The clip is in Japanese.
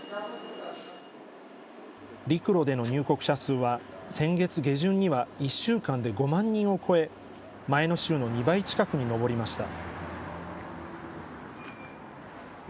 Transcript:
陸路での入国者数は先月下旬には１週間で５万人を超え前の週の２倍近くに上りました。